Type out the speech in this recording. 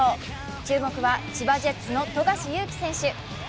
注目は千葉ジェッツの富樫勇樹選手。